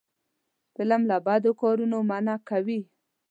فلم له بدو کارونو منع کوي